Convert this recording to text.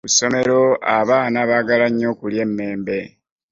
Ku ssomero abaana baagala nnyo okulya emembe.